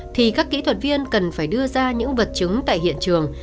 thì các kỹ thuật viên cần phải đưa ra những vật chứng tại hiện trường